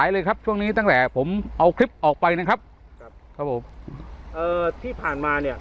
เลยครับช่วงนี้ตั้งแต่ผมเอาคลิปออกไปนะครับครับครับผมเอ่อที่ผ่านมาเนี่ย